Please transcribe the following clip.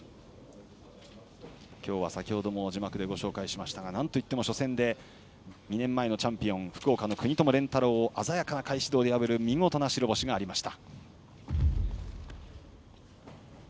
今日は先ほども字幕でご紹介しましたがなんといっても初戦で２年前のチャンピオン福岡の國友錬太朗を鮮やかな返し胴で破る見事な白星がありました。